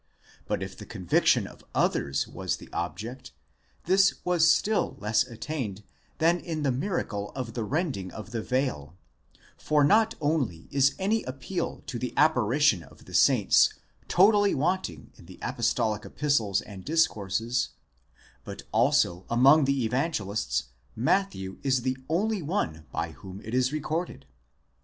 But if the conviction of others was the object, this was still less attained than in the miracle of the rending of the veil, for not only is any appeal to the apparition of the saints totally wanting in the apostolic epistles and discourses, but also among the Evangelists, Matthew is the only one by whom it is recorded.